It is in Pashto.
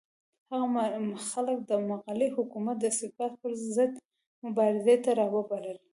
هغه خلک د مغلي حکومت د استبداد پر ضد مبارزې ته راوبلل.